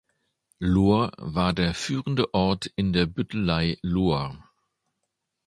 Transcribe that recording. Lohr war der führende Ort in der Büttelei Lohr.